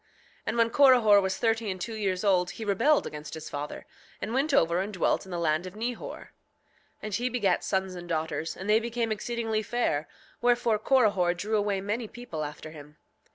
7:4 And when Corihor was thirty and two years old he rebelled against his father, and went over and dwelt in the land of Nehor; and he begat sons and daughters, and they became exceedingly fair; wherefore Corihor drew away many people after him.